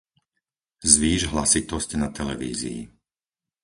Zvýš hlasitosť na televízii.